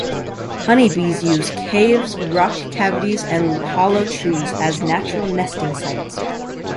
Honey bees use caves, rock cavities and hollow trees as natural nesting sites.